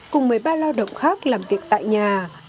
cùng một mươi ba lao động khác làm việc tại nhà